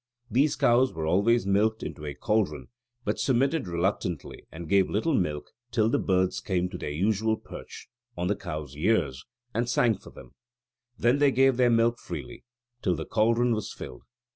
These cows were always milked into a caldron, but submitted reluctantly and gave little milk till the birds came to their usual perch on the cows' ears and sang for them: then they gave their milk freely till the caldron was filled.